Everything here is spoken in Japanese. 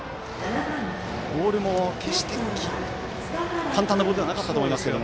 ボールも決して簡単なボールではなかったと思いますけどね。